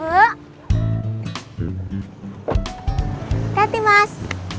terima kasih mas